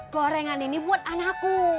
gorengan ini buat anakku